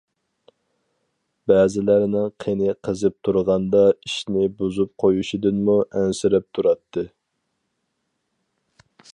بەزىلەرنىڭ قېنى قىزىپ تۇرغاندا ئىشنى بۇزۇپ قويۇشىدىنمۇ ئەنسىرەپ تۇراتتى.